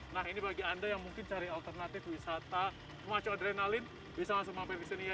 nah ini bagi anda yang mungkin cari alternatif wisata macam adrenalin bisa langsung mampir ke sini ya